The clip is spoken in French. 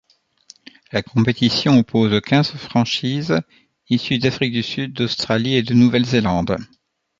La compétition oppose quinze franchises issues d'Afrique du Sud, d'Australie et de Nouvelle-Zélande.